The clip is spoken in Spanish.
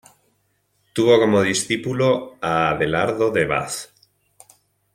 Tuvo como discípulo a Adelardo de Bath.